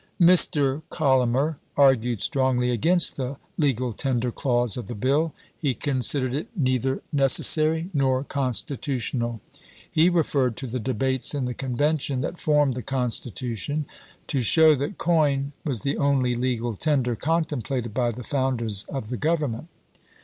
Mr. Collamer argued strongly against the legal tender clause of the bill. He considered it neither FINANCIAL MEASUEES 235 necessary nor constitutional. He referred to the chap. xi. debates in the Convention that formed the Consti tution to show that coin was the only legal tender contemplated by the founders of the Grovernment.